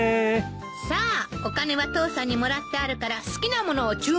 さあお金は父さんにもらってあるから好きな物を注文して。